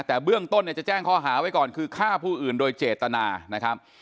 แต่เบื้องต้นเนี่ยจะแจ้งข้อหาไว้ก่อนคือฆ่าผู้อื่นโดยเจตนานะครับ